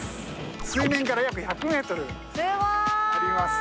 水面から約１００メートルあります。